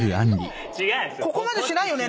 ここまでしないよね